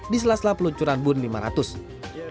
di selaslah peluncuran bunding